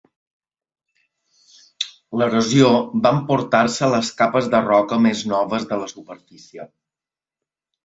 L'erosió va emportar-se les capes de roca més noves de la superfície.